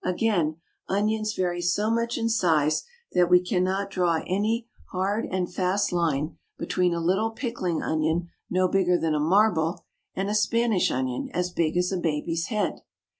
Again, onions vary so much in size that we cannot draw any hard and fast line between a little pickling onion no bigger than a marble and a Spanish onion as big as a baby's head.